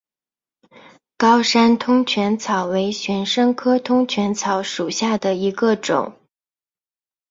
高山通泉草为玄参科通泉草属下的一个种。